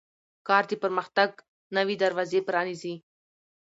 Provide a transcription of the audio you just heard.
کار د پرمختګ نوې دروازې پرانیزي